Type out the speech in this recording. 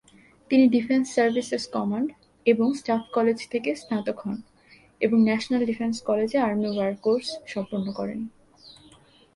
তিনি defence services command এবং staff college থেকে স্নাতক হন এবং ন্যাশনাল ডিফেন্স কলেজে আর্মি ওয়ার কোর্স সম্পন্ন করেন।